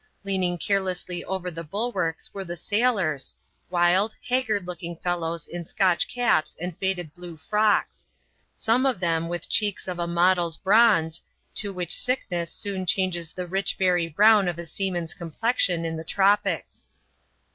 Leaning carelessly over the bulwarks were the sailors, wild, haggard looking fellows in Scotch caps and faded blue frocks ; some of them with cheeks of a mottled bronze, to which sickness soon changes the rich berry brown of a seaman's complexion in the tropics.